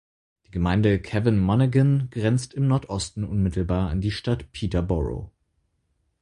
Die Gemeinde Cavan Monaghan grenzt im Nordosten unmittelbar an die Stadt Peterborough.